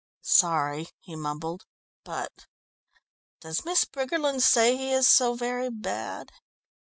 "Sorry," he mumbled, "but " "Does Miss Briggerland say he is so very bad?"